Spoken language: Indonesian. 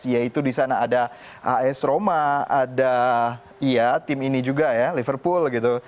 yaitu di sana ada as roma ada iya tim ini juga ya liverpool gitu